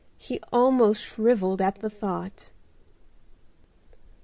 He almost shrivelled at the thought.